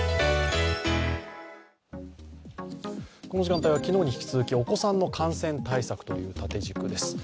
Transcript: この時間帯は昨日に引き続き、お子さんの感染対策という縦軸です。